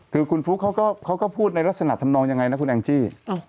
คือคุณฟุ๊กเขาก็พูดในลักษณะทำนองยังไงนะคุณแองจี้